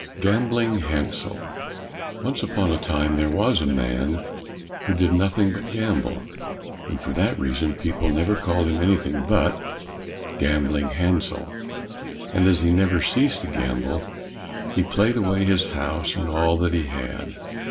82 Gambling Hansel Once upon a time there was a man who did nothing but gamble, and for that reason people never called him anything but Gambling Hansel, and as he never ceased to gamble, he played away his house and all that he had.